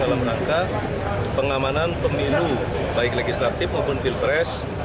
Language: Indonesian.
dalam rangka pengamanan pemilu baik legislatif maupun pilpres